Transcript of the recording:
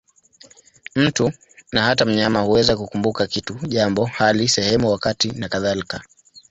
Mtu, na hata mnyama, huweza kukumbuka kitu, jambo, hali, sehemu, wakati nakadhalika.